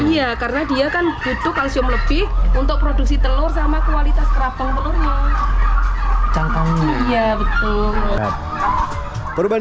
iya karena dia kan butuh kalsium lebih untuk produksi telur sama kualitas kerapel telurnya